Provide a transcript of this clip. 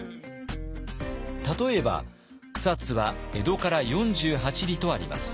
例えば草津は「江戸から四十八里」とあります。